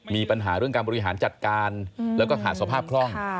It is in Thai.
มีปัญหาเรื่องการบริหารจัดการแล้วก็ขาดสภาพคล่อง